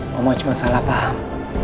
mama cuma salah paham